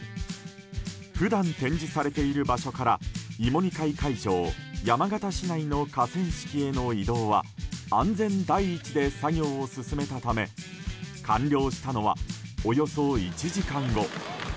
普段展示されている場所から芋煮会会場、山形市内の河川敷への移動は安全第一で作業を進めたため完了したのは、およそ１時間後。